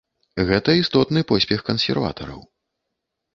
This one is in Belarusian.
Гэта істотны поспех кансерватараў.